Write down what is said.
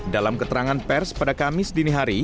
dalam keterangan pers pada kamis dini hari